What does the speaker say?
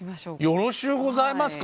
よろしゅうございますか？